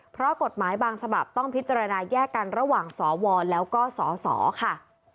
เพราะกฎหมายบางฉบับต้องพิจารณาแยกกันระหว่างสวแล้วก็สสค่ะ